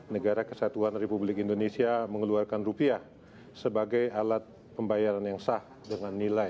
negara kesatuan republik indonesia mengeluarkan rupiah sebagai alat pembayaran yang sah dengan nilai